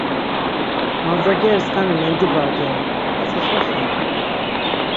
Mandzageri skani mendibargeren, atzi so xen?